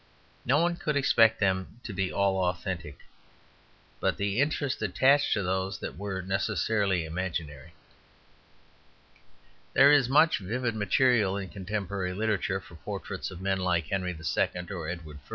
No one could expect them to be all authentic; but the interest attached to those that were necessarily imaginary. There is much vivid material in contemporary literature for portraits of men like Henry II. or Edward I.